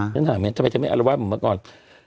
ฉันถามไหมทำไมเธอไม่อารวาสเหมือนเมื่อก่อน